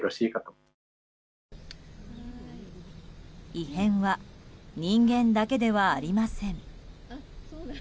異変は人間だけではありません。